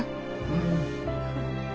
うん。